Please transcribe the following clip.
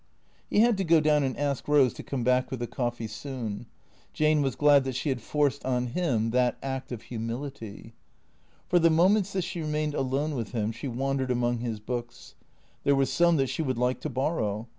He had to go down and ask Eose to come back with the coffee soon. Jane was glad that she had forced on him that act of humility. For the moments that she remained alone with him she wan dered among his books. There were some that she would like to borrow.